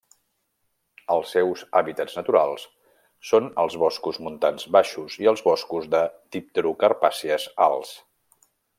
Els seus hàbitats naturals són els boscos montans baixos i els boscos de dipterocarpàcies alts.